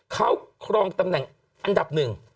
เขาครองตำแหน่งอันดับหนึ่ง